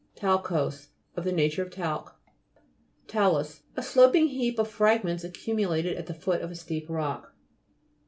TAL'COSE Of the nature of talc. TA'LUS A sloping heap of fragments accumulated at the foot of a steep rock.